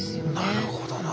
なるほどな。